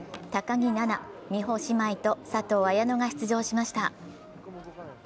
高木菜那・美帆姉妹と佐藤綾乃が出場しました。